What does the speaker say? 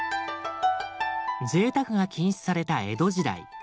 ぜいたくが禁止された江戸時代。